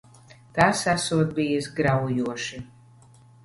Tas esot bijis graujoši.